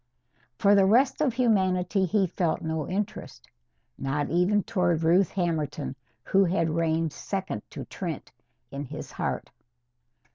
For the rest of humanity he felt no interest. Not even toward Ruth Hammerton, who had reigned second to Trent in his heart.